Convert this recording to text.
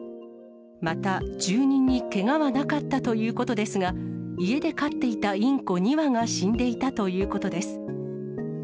また住人にけがはなかったということですが、家で飼っていたインコ２羽が死んでいたということです。